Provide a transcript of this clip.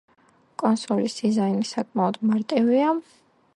კონსოლის დიზაინი საკმაოდ მარტივია.